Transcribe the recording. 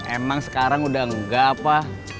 emang sekarang udah enggak apa